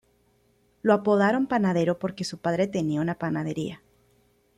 Lo apodaron "Panadero" porque su padre tenía una panadería.